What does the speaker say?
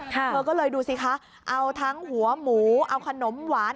เธอก็เลยดูสิคะเอาทั้งหัวหมูเอาขนมหวาน